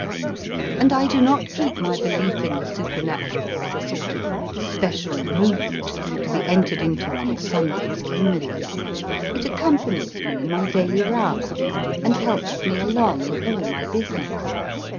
And I do not keep my belief in the supernatural as a sort of special mood to be entered into on Sundays only ; it accompanies me in my daily round, and helps me along in all my business.